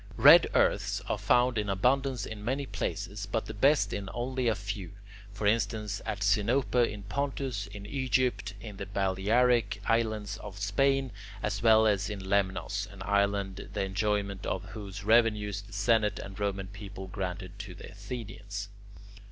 Red earths are found in abundance in many places, but the best in only a few, for instance at Sinope in Pontus, in Egypt, in the Balearic islands of Spain, as well as in Lemnos, an island the enjoyment of whose revenues the Senate and Roman people granted to the Athenians.